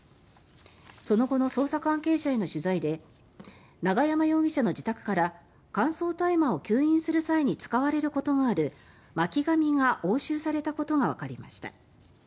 その後の捜査関係者への取材で永山容疑者の自宅から乾燥大麻を吸引する際に使われることがある巻紙が押収されたことがわかりました。